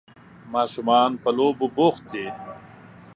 ماشومان په لوبو بوخت دي.